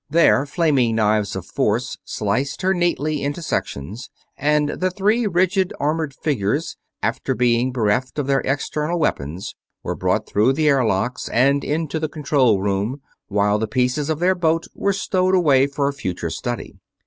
There flaming knives of force sliced her neatly into sections and the three rigid armored figures, after being bereft of their external weapons, were brought through the airlocks and into the control room, while the pieces of their boat were stored away for future study.